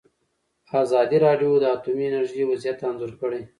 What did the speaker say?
ازادي راډیو د اټومي انرژي وضعیت انځور کړی.